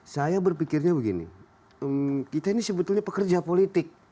saya berpikirnya begini kita ini sebetulnya pekerja politik